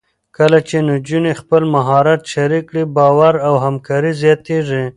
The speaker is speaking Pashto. کله چې نجونې خپل مهارت شریک کړي، باور او همکاري زیاتېږي.